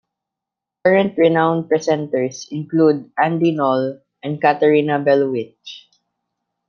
Current renowned presenters include Andi Knoll and Katharina Bellowitsch.